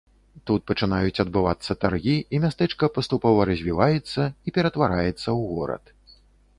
Тут пачынаюць адбывацца таргі, і мястэчка паступова развіваецца і ператвараецца ў горад.